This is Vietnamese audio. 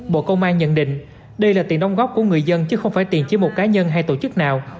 bộ công an nhận định đây là tiền đóng góp của người dân chứ không phải tiền chỉ một cá nhân hay tổ chức nào